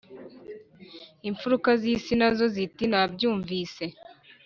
imfuruka zisi nazo ziti nabyumvise